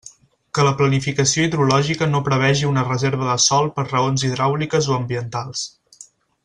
Que la planificació hidrològica no prevegi una reserva de sòl per raons hidràuliques o ambientals.